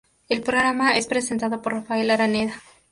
El programa es presentado por Rafael Araneda.